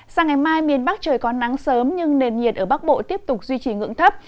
sang ngày mai miền bắc trời có nắng sớm nhưng nền nhiệt ở bắc bộ tiếp tục duy trì ngưỡng thấp